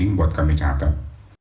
ini buat kami catat